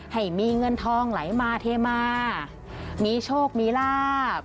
ให้มีเงินทองไหลมาเทมามีโชคมีลาบ